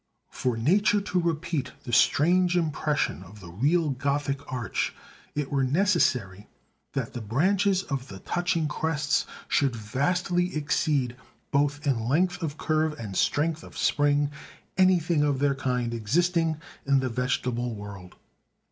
For nature to repeat the strange impression of the real Gothic arch, it were necessary that the branches of the touching crests should vastly exceed, both in length of curve and strength of spring, anything of their kind existing in the vegetable world.